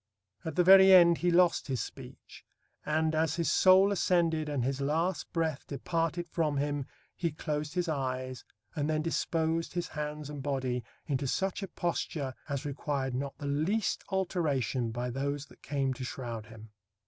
At the very end he lost his speech, and "as his soul ascended and his last breath departed from him he closed his eyes, and then disposed his hands and body into such a posture as required not the least alteration by those that came to shroud him."